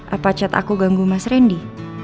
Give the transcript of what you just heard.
apa cat aku ganggu mas randy